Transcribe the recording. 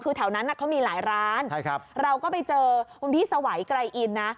คือแถวนั้นเขามีหลายร้านเราก็ไปเจอคุณพี่สวัยไกรอินนะ